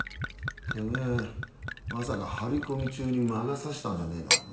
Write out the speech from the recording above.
てめぇまさか張り込み中に魔が差したんじゃねえだろうな？